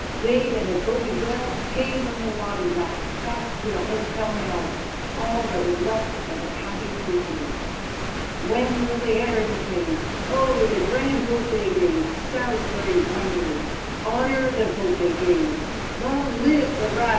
They that had voted well came from the lobby back, back to the House pell mell — All that was left of the happy three hundred. When will they e'er be paid ? Oh, the grand vote they gave ! Salisbury wondered ! Honour the vote they gave ! Long live the " Rad.